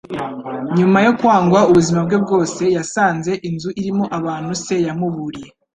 Nyuma yo kwangwa ubuzima bwe bwose, yasanze inzu irimo abantu se yamuburiye.